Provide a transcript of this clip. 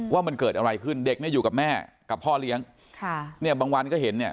ว่ามันเกิดอะไรขึ้นเด็กเนี่ยอยู่กับแม่กับพ่อเลี้ยงค่ะเนี่ยบางวันก็เห็นเนี่ย